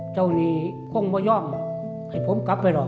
เจ้านี่คงมาย่อมให้ผมกลับไปหรอก